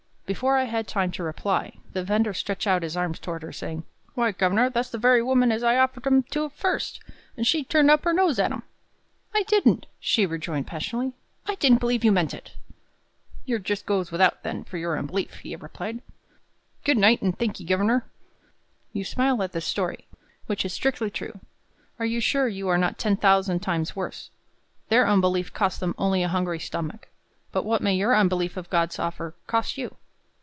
Before I had time to reply, the vender stretched out his arm toward her, saying, "Why, governor, that's the very woman as I offered 'em to first, and she turned up her nose at 'em." "I didn't," she rejoined passionately; "I didn't believe you meant it!" "Yer just goes without, then, for yer unbelief!" he replied. "Good night, and thank'ee, governor!" You smile at the story, which is strictly true. Are you sure you are not ten thousand times worse? Their unbelief cost them only a hungry stomach; but what may your unbelief of God's offer cost you?